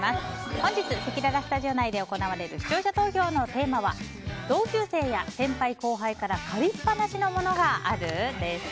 本日、せきららスタジオ内で行われる視聴者投票のテーマは同級生や先輩・後輩から借りっぱなしのものがある？です。